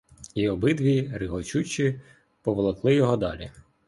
І обидві, регочу чи, поволокли його далі.